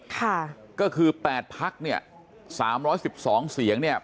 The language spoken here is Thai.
ค่ะก็คือแปดพักเนี่ยสามร้อยสิบสองเสียงเนี่ย